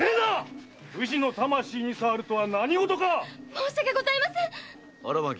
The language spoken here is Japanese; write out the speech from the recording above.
申し訳ございません！